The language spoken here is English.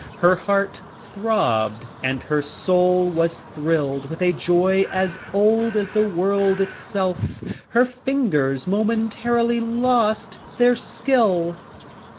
Her heart throbbed and her soul was thrilled with a joy as old as the world itself. Her fingers momentarily lost their skill.